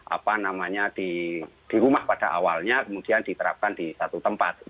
apa namanya di rumah pada awalnya kemudian diterapkan di satu tempat